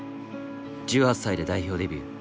１８歳で代表デビュー。